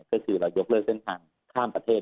ก็คือเรายกเลิกเส้นทางข้ามประเทศ